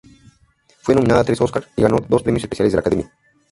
Fue nominada a tres Oscar y ganó dos premios especiales de la Academia.